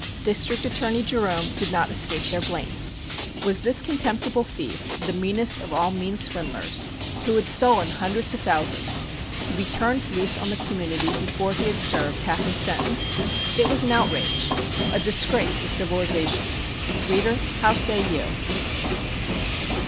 District Attorney Jerome did not escape their blame. Was this contemptible thief, this meanest of all mean swindlers, who had stolen hundreds of thousands to be turned loose on the community before he had served half his sentence? It was an outrage! A disgrace to civilization! Reader, how say you?